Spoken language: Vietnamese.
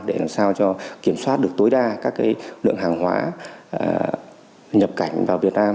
để làm sao cho kiểm soát được tối đa các lượng hàng hóa nhập cảnh vào việt nam